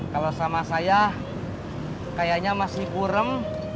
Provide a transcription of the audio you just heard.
kalau sama saya kayaknya masih burem